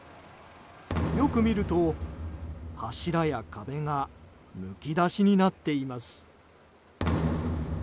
よく見ると柱や壁がむき出しになっています。